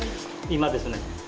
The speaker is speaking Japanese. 今ですね。